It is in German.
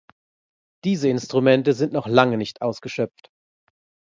Diese Instrumente sind noch lange nicht ausgeschöpft.